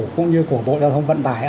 cũng như của bộ giao thông vận tải